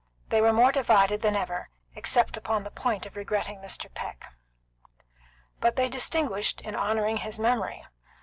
They were more divided than ever, except upon the point of regretting Mr. Peck. But they distinguished, in honouring his memory.